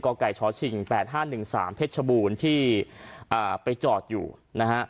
กไก่ชฉิ่งแปดห้าหนึ่งสามเพชรชะบูนที่อ่าไปจอดอยู่นะฮะ